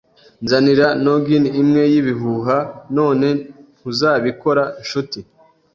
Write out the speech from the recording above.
Nzanira noggin imwe y'ibihuha, none, ntuzabikora, nshuti? ”